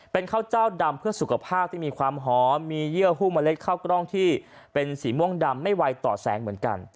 เป็นข้าวเจ้าดำเพื่อสุขภาพที่มีความหอมมีเยื่อหุ้มเมล็ดข้าวกล้องที่เป็นสีม่วงดำไม่ไวต่อแสงเหมือนกัน